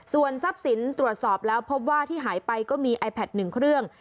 ส่วนทรัพย์สินตรวจสอบแล้วพบว่าที่หายไปก็มีไอแพท๑เครื่อง